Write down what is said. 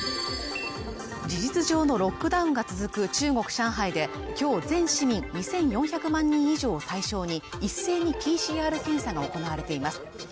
事実上のロックダウンが続く中国・上海できょう全市民２４００万人以上対象に一斉にＰＣＲ検査が行われています